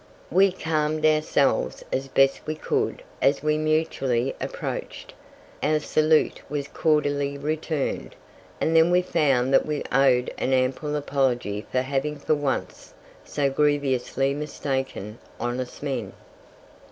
We calmed ourselves as best we could as we mutually approached; our salute was cordially returned, and then we found that we owed an ample apology for having for once so grievously mistaken honest men.